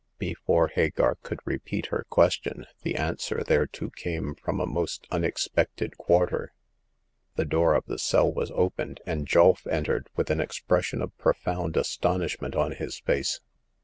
Before Hagar could repeat her question, the answer thereto came from a most , unexpected quarter. The door of the cell was opened, and Julf entered, with an expression of profound astonishment on his face.